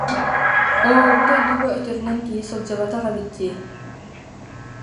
Оо, бу дойдуга өтөрүнэн киһи сылдьыбатах эбит дии